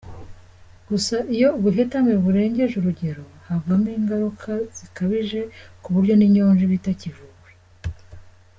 Gusa iyo ubuhetame burengeje urugero havamo ingaruka zikabije ku buryo n’inyonjo iba itakivuwe.